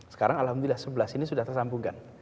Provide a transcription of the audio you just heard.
sekarang alhamdulillah sebelah sini sudah tersambungkan